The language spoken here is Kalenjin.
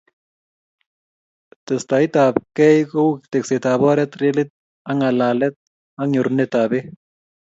Testai ab kei kou tekset ab oret, relit ak ngalalet ak nyorunet ab peek